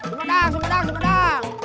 semudang semudang semudang